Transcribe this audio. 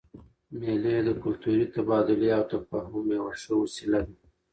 مېلې د کلتوري تبادلې او تفاهم یوه ښه وسیله ده.